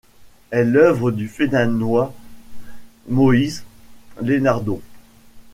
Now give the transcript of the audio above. Elle l'œuvre du Stéphanois Moïse Lénardon.